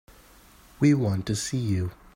We want to see you.